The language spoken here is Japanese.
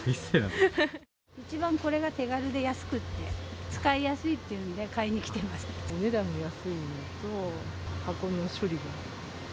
一番これが手軽で安くって、使いやすいっていうので、お値段が安いのと、箱の処理